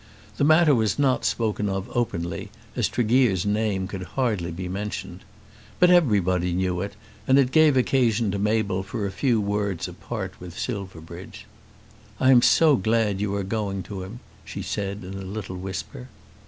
The matter was not spoken of openly, as Tregear's name could hardly be mentioned. But everybody knew it, and it gave occasion to Mabel for a few words apart with Silverbridge. "I am so glad you are going to him," she said in a little whisper.